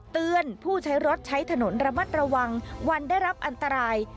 เตือนผู้ใช้รถใช้ถนนระมัดระวังวันได้รับอันตราย